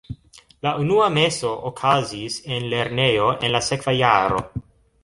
La unua meso okazis en lernejo en la sekva jaro.